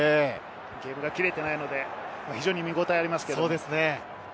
ゲームが切れていないので非常に見ごたえがあります。